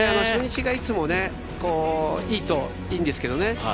初日がいつもいいといいんですけどね。